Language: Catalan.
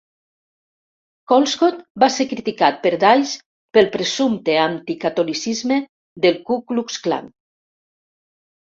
Colescott va ser criticat per Dies pel presumpte anticatolicisme del Ku Klux Klan.